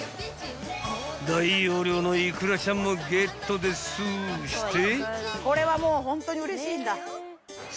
［大容量のいくらちゃんもゲットですして］